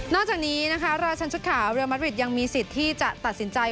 จากนี้นะคะราชันชุดขาวเรียลมัตริดยังมีสิทธิ์ที่จะตัดสินใจ